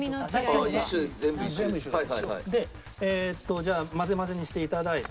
じゃあ交ぜ交ぜにしていただいて。